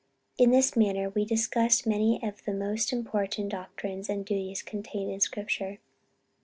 In this manner we discussed many of the most important doctrines and duties contained in Scripture.